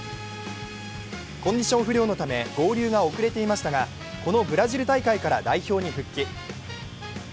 コンディション不良のため合流が遅れていましたが、このブラジル大会から代表に復帰。